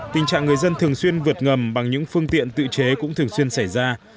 tình trạng người dân thường xuyên vượt ngầm bằng những phương tiện tự chế cũng thường xuyên xảy ra